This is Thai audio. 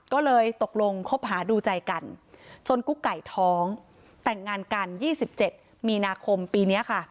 ก็เลยตกลงคบหาดูใจกันจนกุ๊กไก่ท้องแต่งงานกัน๒๗มีนาคมปีนี้ค่ะ